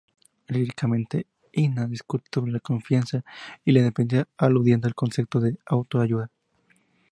Líricamente, Inna discute sobre la confianza y la independencia, aludiendo al concepto de autoayuda.